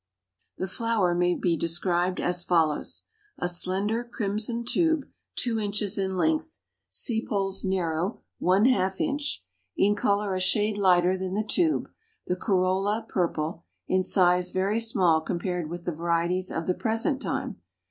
The flower may be described as follows: A slender crimson tube two inches in length; sepals narrow, one half inch; in color a shade lighter than the tube; the corolla purple; in size very small compared with the varieties of the present time.